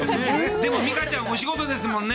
でも美佳ちゃんお仕事ですもんね。